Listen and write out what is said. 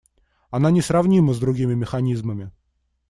Она несравнима с другими механизмами.